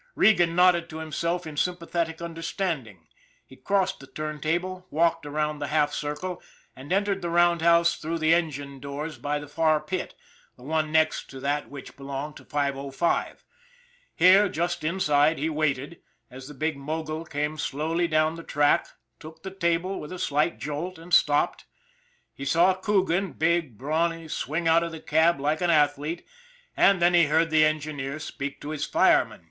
Regan nodded to himself in sympathetic understanding. He crossed the turn table, walked around the half circle, and entered the roundhouse through the engine doors by the far pit the one next to that which belonged to 505. Here, just inside, he waited, as the big mogul came slowly down the track, took the 'table with a slight jolt, and stopped. He saw Coogan, big, brawny, swing out of the cab like an athlete, and then he heard the engineer speak to his fireman.